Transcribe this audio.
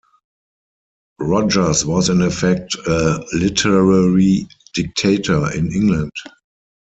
Rogers was in effect a literary dictator in England.